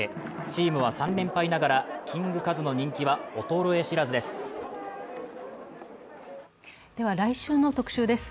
チームは３連敗ながら、キングカズの人気は衰え知らずです。